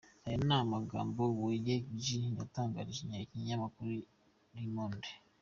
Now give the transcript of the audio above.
Aya ni amagambo Weizhi Ji yatangarije ikinyamakuru Le monde.